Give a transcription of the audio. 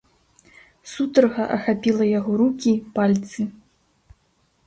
Сутарга ахапіла яго рукі, пальцы.